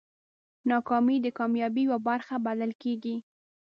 ناکامي د کامیابۍ یوه برخه بلل کېږي.